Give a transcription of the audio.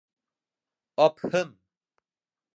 — Апһын!